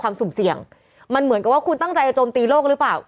สุ่มเสี่ยงมันเหมือนกับว่าคุณตั้งใจจะโจมตีโลกหรือเปล่า